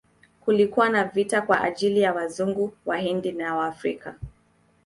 Kulikuwa na viti kwa ajili ya Wazungu, Wahindi na Waafrika.